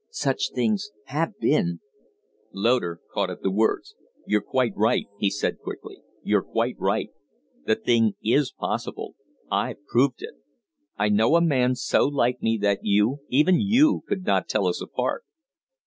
Such things have been " Loder caught at the words. "You're quite right," he said, quickly. "You're quite right. The thing is possible I've proved it. I know a man so like me that you, even you, could not tell us apart."